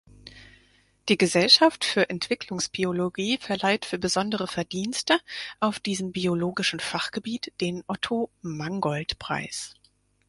Die Gesellschaft für Entwicklungsbiologie verleiht für besondere Verdienste auf diesem biologischen Fachgebiet den "Otto-Mangold-Preis".